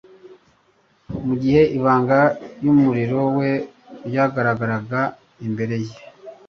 mu gihe ibanga iy'umurimo we ryagaragaraga imbere ye,